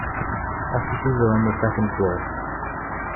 Offices are on the second floor.